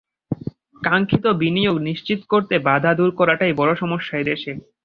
কাঙ্ক্ষিত বিনিয়োগ নিশ্চিত করতে বাধা দূর করাটাই বড় সমস্যা এ দেশে।